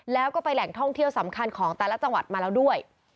แล้วก็ไปแหล่งท่องเที่ยวสำคัญของแต่ละจังหวัดมาแล้วด้วย